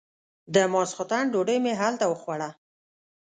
د ماسختن ډوډۍ مې هلته وخوړه.